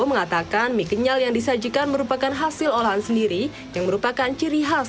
mengatakan mie kenyal yang disajikan merupakan hasil olahan sendiri yang merupakan ciri khas